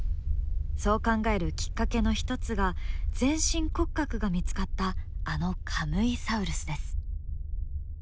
そう考えるきっかけの一つが全身骨格が見つかったあのカムイサウルスです。